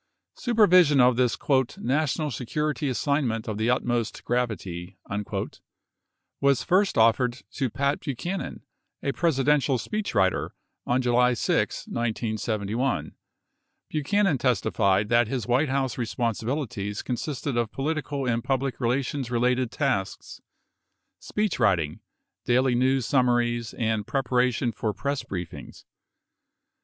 63 Supervision of this "national security assignment of the utmost gravity" was first offered to Pat Buchanan, a Presidential speech writer, on July 6, lffTl. 94 Buchanan testified that his White House responsibilities consisted of political and public relations related tasks — speechwriting, daily news summaries, and preparation for press briefings.